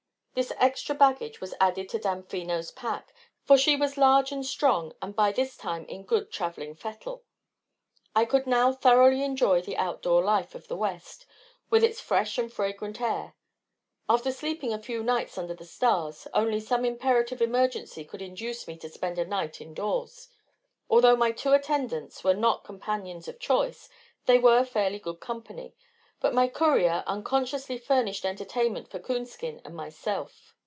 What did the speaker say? This extra baggage was added to Damfino's pack, for she was large and strong, and by this time in good traveling fettle. I could now thoroughly enjoy the outdoor life of the West, with its fresh and fragrant air; after sleeping a few nights under the stars, only some imperative emergency could induce me to spend a night indoors. Although my two attendants were not companions of choice they were fairly good company, but my courier unconsciously furnished entertainment for Coonskin and myself.